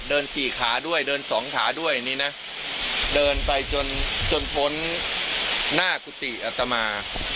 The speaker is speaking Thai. สี่ขาด้วยเดินสองขาด้วยนี่นะเดินไปจนจนพ้นหน้ากุฏิอัตมา